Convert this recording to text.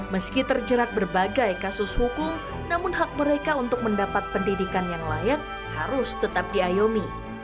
meski terjerat berbagai kasus hukum namun hak mereka untuk mendapat pendidikan yang layak harus tetap diayomi